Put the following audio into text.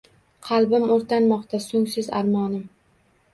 Qalbim o’rtamoqda so’ngsiz armonim…